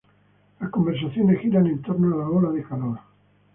Las conversaciones giran en torno a la ola de calor.